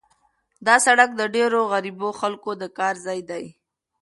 دا سړک د ډېرو غریبو خلکو د کار ځای دی.